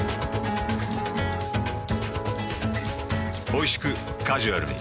おいしくカジュアルに。